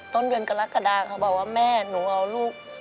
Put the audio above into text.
ต้นเดือนกรกฎาเขาบอกว่าแม่หนูเอาลูก